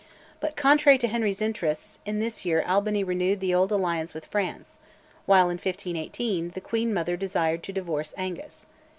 But, contrary to Henry's interests, in this year Albany renewed the old alliance with France; while, in 1518, the queen mother desired to divorce Angus.